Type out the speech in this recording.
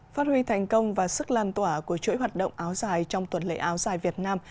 phát huy thành công và sức lan tỏa của chuỗi hoạt động áo dài trong tuần lễ áo dài việt nam